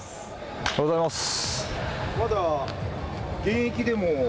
おはようございます。